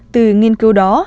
từ nghiên cứu đó